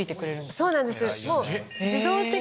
そうなんです。